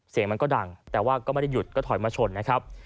เสียงมันก็ดังแต่ว่าก็ไม่ได้หยุดก็ถอยมาชนนะครับ